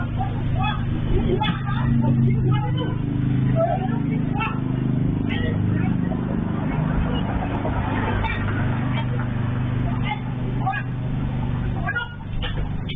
สวัสดีครับ